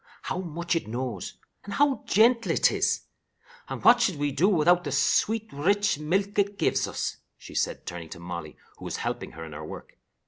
"How much it knows, and how gentle it is! And what should we do without the sweet, rich milk it gives us!" she said, turning to Molly, who was helping her in her work.